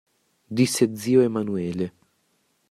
Disse zio Emanuele.